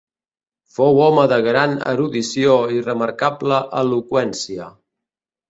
Fou home de gran erudició i remarcable eloqüència.